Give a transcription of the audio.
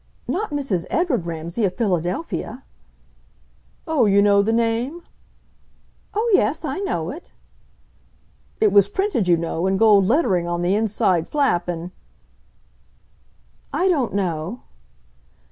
"Not Mrs. Edward Ramsay, of Philadelphia?" "Oh, you know the name?" "Oh, yes, I know it." "It was printed, you know, in gold lettering on the inside flap and " "I don't know."